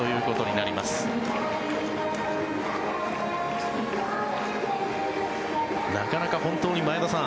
なかなか本当に前田さん